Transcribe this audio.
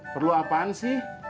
perlu apaan sih